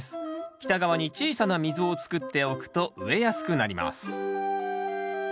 北側に小さな溝を作っておくと植えやすくなります